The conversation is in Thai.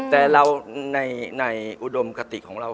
แต่เราในอุดมคติของเรา